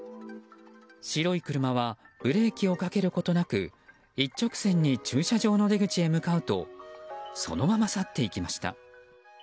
白い車はブレーキをかけることなく一直線に駐車場の出口へ向かうとそのまま去っていきました。